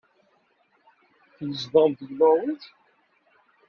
Tzedɣem deg Nuṛwij?